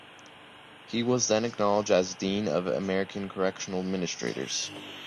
He was then acknowledged as Dean of American Correctional Administrators.